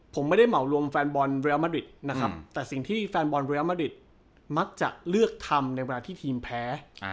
ผมไม่ได้เหมารวมแฟนบอลเรียลมาริดนะครับแต่สิ่งที่แฟนบอลเรียลมาริดมักจะเลือกทำในเวลาที่ทีมแพ้